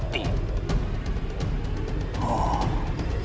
pasti sudah berhadapan dengan pendekar sakti